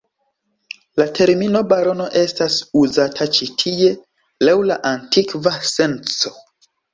La termino barono estas uzata ĉi-tie laŭ la antikva senco.